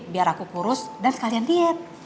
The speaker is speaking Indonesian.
biar aku kurus dan sekalian diet